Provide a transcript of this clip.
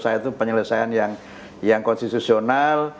saya itu penyelesaian yang konstitusional